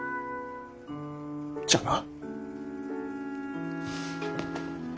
じゃあな。